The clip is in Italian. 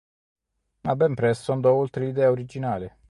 Ma ben presto andò oltre l'idea originale.